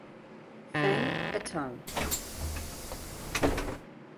Feng "et al".